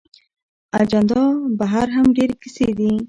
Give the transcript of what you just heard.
اجندا بهر هم ډېرې کیسې دي.